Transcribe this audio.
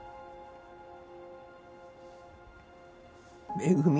めぐみ。